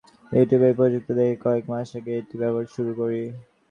ইউটিউবে এই প্রযুক্তি দেখে কয়েক মাস আগে এটি ব্যবহার শুরু করি।